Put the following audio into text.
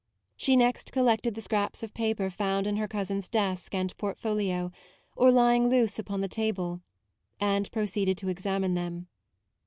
She next collected the scraps of paper found in her cousin's desk and portfolio, or lying loose upon the table, and pro ceeded to examine them.